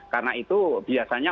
karena itu biasanya